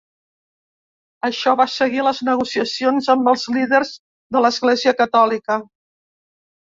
Això va seguir les negociacions amb els líders de l'església catòlica.